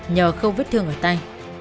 nhờ không vết thương ở tay